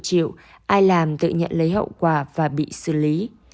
họ nhận thì họ tự chịu ai làm tự nhận lấy hậu quả và bị xử lý